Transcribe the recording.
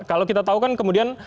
kalau kita tahu kan kemudian